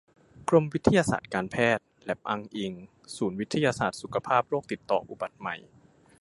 กรมวิทยาศาสตร์การแพทย์ แล็บอ้างอิง ศูนย์วิทยาศาสตร์สุขภาพโรคติดต่ออุบัติใหม่